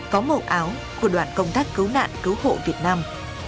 có màu áo của đoàn công tác cứu nạn cứu hộ việt nam